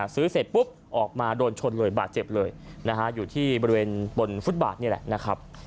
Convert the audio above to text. ซื้อเสร็จแล้วออกมาโดนชนเลยบาทเจ็บเลยอยู่ที่บริเวณฟุตบาทนี่แหละ